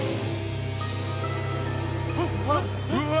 うわ！